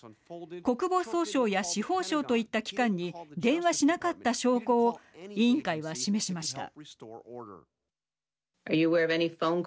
国防総省や司法省といった機関に電話しなかった証拠を委員会は示しました。